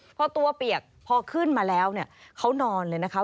พอตัวเปียกพอขึ้นมาแล้วเนี่ยเขานอนเลยนะคะ